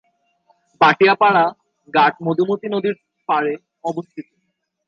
ভাটিয়াপাড়া ঘাট মধুমতি নদীর পাড়ে অবস্থিত।